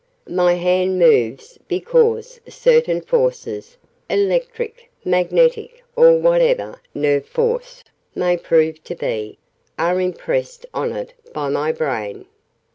My hand moves because certain forces electric, magnetic, or whatever 'nerve force' may prove to be are impressed on it by my brain.